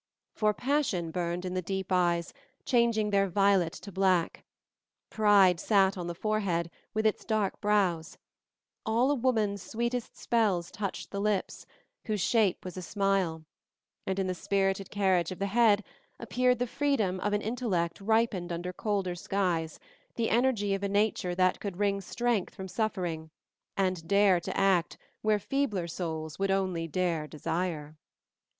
For passion burned in the deep eyes, changing their violet to black. Pride sat on the forehead, with its dark brows; all a woman's sweetest spells touched the lips, whose shape was a smile; and in the spirited carriage of the head appeared the freedom of an intellect ripened under colder skies, the energy of a nature that could wring strength from suffering, and dare to act where feebler souls would only dare desire.